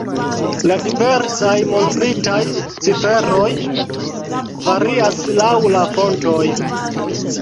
La diversaj montritaj ciferoj varias laŭ la fontoj.